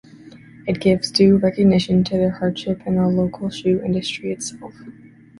It gives due recognition to their hardship and the local shoe industry itself.